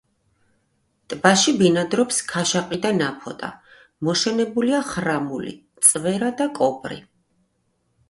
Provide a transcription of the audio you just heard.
ტბაში ბინადრობს ქაშაყი და ნაფოტა; მოშენებულია ხრამული, წვერა და კობრი.